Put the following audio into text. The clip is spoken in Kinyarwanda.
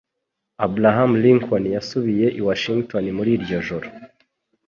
Abraham Lincoln yasubiye i Washington muri iryo joro.